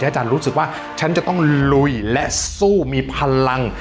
อาจารย์รู้สึกว่าฉันจะต้องลุยและสู้มีพลัง